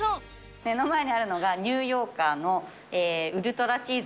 目の前にあるのが、ニューヨーカーのウルトラチーズ。